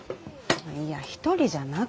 いや一人じゃなくて。